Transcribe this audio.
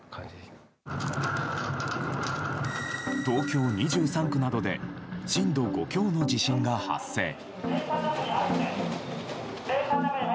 東京２３区などで震度５強の地震が発生。